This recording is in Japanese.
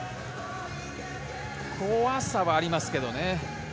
怖さはありますけどね。